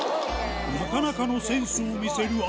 なかなかのセンスを見せるあさこ